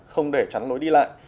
không để trắng lối đi lại